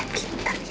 eh pinter ya